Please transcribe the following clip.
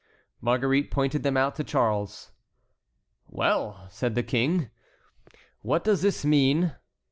Marguerite pointed them out to Charles. "Well!" said the King, "what does this mean?"